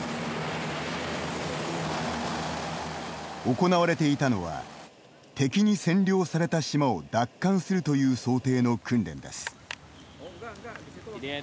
行われていたのは敵に占領された島を奪還するという想定の訓練です。